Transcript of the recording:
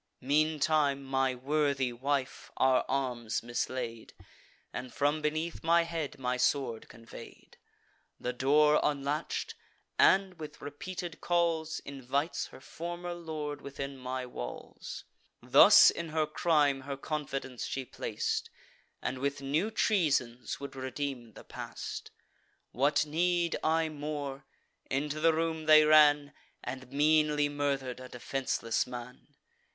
Meantime my worthy wife our arms mislaid, And from beneath my head my sword convey'd; The door unlatch'd, and, with repeated calls, Invites her former lord within my walls. Thus in her crime her confidence she plac'd, And with new treasons would redeem the past. What need I more? Into the room they ran, And meanly murder'd a defenceless man.